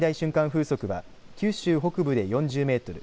風速は九州北部で４０メートル